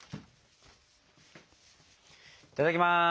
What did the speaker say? いただきます。